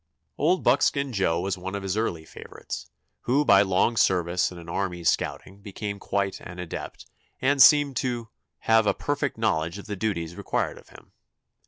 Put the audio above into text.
[Illustration: COMRADES.] Old Buckskin Joe was one of his early favorites, who by long service in army scouting became quite an adept, and seemed to have a perfect knowledge of the duties required of him.